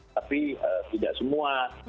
tapi tidak semua